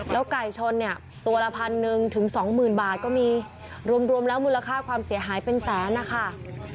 ไก่ชนเนี่ยตัวละพันหนึ่งถึงสองหมื่นบาทก็มีรวมแล้วมูลค่าความเสียหายเป็นแสนนะคะ